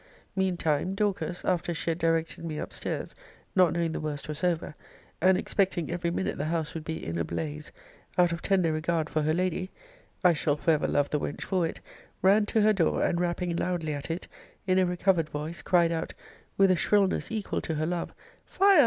Mean time Dorcas, after she had directed me up stairs, not knowing the worst was over, and expecting every minute the house would be in a blaze, out of tender regard for her lady, [I shall for ever love the wench for it,] ran to her door, and rapping loudly at it, in a recovered voice, cried out, with a shrillness equal to her love, Fire!